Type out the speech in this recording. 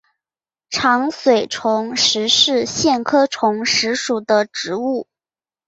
长穗虫实是苋科虫实属的植物。